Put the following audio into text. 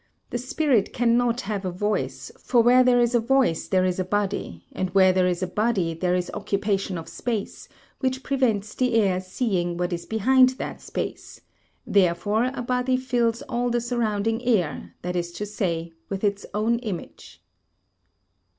The spirit cannot have a voice, for where there is a voice there is a body, and where there is a body there is occupation of space, which prevents the eye seeing what is behind that space; therefore a body fills all the surrounding air, that is to say, with its own image.